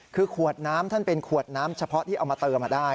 คือขวดน้ำท่านเป็นขวดน้ำเฉพาะที่เอามาเติมได้